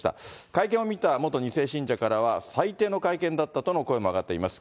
会見を見た元２世信者からは、最低の会見だったとの声も上がっています。